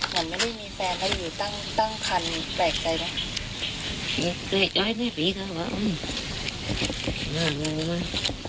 หลังไม่ได้มีแฟนให้อยู่ตั้งตั้งคันแปลกใจนะนี่เกลียดไว้แน่ฝีกันว่าอุ้ย